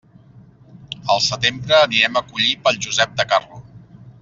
Al setembre anirem a collir pel Josep de Carro.